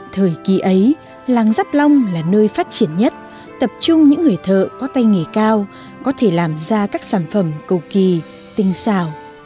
thời kỳ ấy làng dắp long là nơi phát triển nhất tập trung những người thợ có tay nghề cao có thể làm ra các sản phẩm cầu kỳ tinh xảo